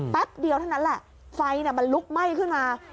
แป๊บเดียวเท่านั้นแหละไฟมันลุกไหม้ขึ้นมา